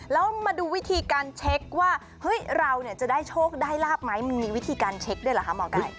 แล้วมาดูวิธีการเช็คว่าเฮ้ยเราจะได้โชคได้ลาบไหมมันมีวิธีการเช็คด้วยเหรอคะหมอไก่